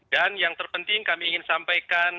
dan yang terpenting kami ingin sampaikan